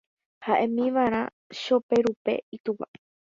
He'ímiva'erã Choperúpe itúva.